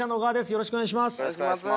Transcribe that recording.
よろしくお願いします。